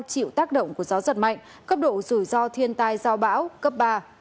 chịu tác động của gió giật mạnh cấp độ rủi ro thiên tai do bão cấp ba